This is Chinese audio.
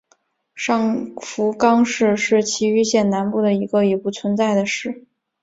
上福冈市是崎玉县南部的一个已不存在的市。